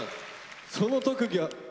その特技は。